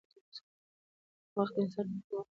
وخت د انسان تر ټولو مهمه شتمني ده